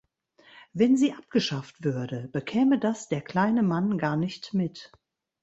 Wenn sie abgeschafft würde, bekäme das der kleine Mann gar nicht mit.